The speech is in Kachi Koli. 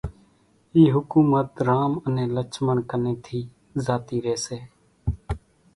اِي حڪُومت رام انين لڇمڻ ڪنين ٿِي زاتِي رئيَ سي،